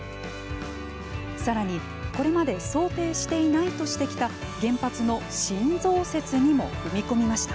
さらに、これまで想定していないとしてきた原発の新増設にも踏み込みました。